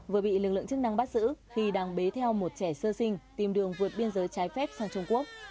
vừa bị lực lượng chức năng bắt giữ khi đang bế theo một trẻ sơ sinh tìm đường vượt biên giới trái phép sang trung quốc